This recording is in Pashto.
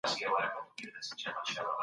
دا زموږ وياړونه دي.